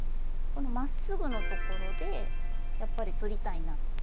まっすぐのところでやっぱりとりたいなとＡね。